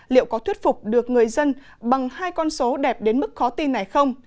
liệu có thuyết phục được người dân bằng hai con số đẹp đến mức khó tin này không